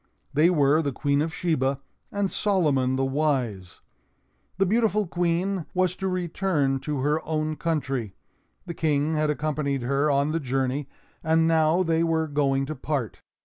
They were the Queen of Sheba and Solomon the Wise. The beautiful Queen was to return to her own country; the King had accompanied her on the journey, and now they were going to part.